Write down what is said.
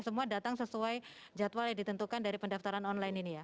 semua datang sesuai jadwal yang ditentukan dari pendaftaran online ini ya